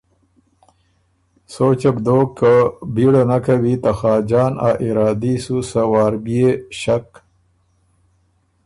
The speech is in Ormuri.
سوچه بو دوک که بیړه نک کوی ته خاجان ا ارادي سُو سۀ وار بيې ݭک